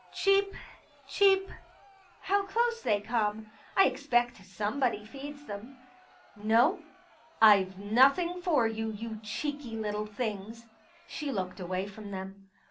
Cheep. Cheep. How close they come. I expect somebody feeds them. No, i68 Pictures IVe nothing for you, you cheeky little things. ..." She looked away from them.